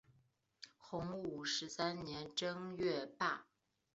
洪武十三年正月罢。